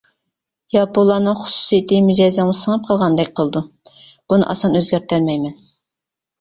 ياپونلارنىڭ خۇسۇسىيىتى مىجەزىمگە سىڭىپ قالغاندەك قىلىدۇ، بۇنى ئاسان ئۆزگەرتەلمەيمەن.